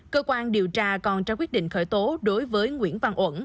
cơ quan điều tra còn trao quyết định khởi tố đối với nguyễn văn uẩn